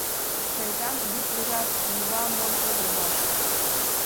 Шайтан, бритвыжат «Нева» монь огыл улмаш...